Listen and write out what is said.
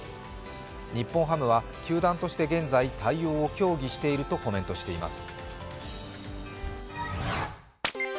日本ハムは球団として現在、対応を協議しているとコメントしています。